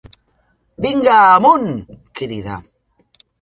Vinga, amunt! —crida—.